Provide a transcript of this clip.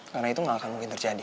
karena itu gak akan mungkin terjadi